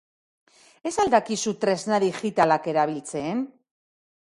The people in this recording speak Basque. Ez al dakizu tresna digitalak erabiltzen?